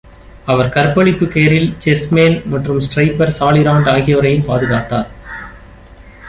அவர் கற்பழிப்பு Caryl Chessman மற்றும் stripper சாலி ராண்ட் ஆகியோரையும் பாதுகாத்தார்.